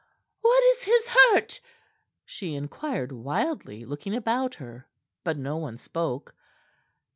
"What is his hurt?" she inquired wildly, looking about her. But no one spoke.